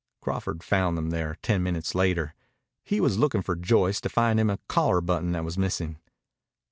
Crawford found them there ten minutes later. He was looking for Joyce to find him a collar button that was missing.